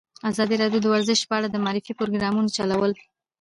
ازادي راډیو د ورزش په اړه د معارفې پروګرامونه چلولي.